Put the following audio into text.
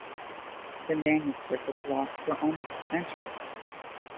The manuscript was lost for almost a century.